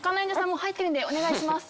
もう入ってるんでお願いします。